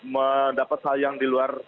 mendapat hal yang di luar